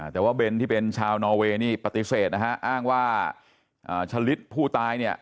แต่ว่าเบนที่เป็นชาวนอเวย์นี่ปฏิเสธนะฮะอ้างว่าชะลิดผู้ตายเนี่ย